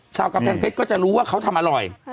กำแพงเพชรก็จะรู้ว่าเขาทำอร่อย